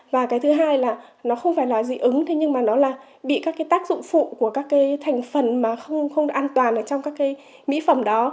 và cái thứ hai là nó không phải là dị ứng thế nhưng mà nó là bị các cái tác dụng phụ của các cái thành phần mà không được an toàn ở trong các cái mỹ phẩm đó